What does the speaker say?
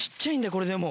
これでも。